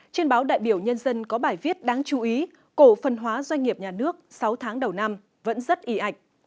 trên báo đại biểu nhân dân có bài viết đáng chú ý cổ phân hóa doanh nghiệp nhà nước sáu tháng đầu năm vẫn rất ý ảnh